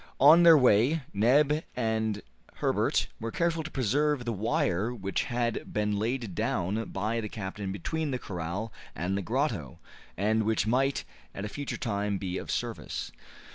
On their way Neb and Herbert were careful to preserve the wire which had been laid down by the captain between the corral and the grotto, and which might at a future time be of service.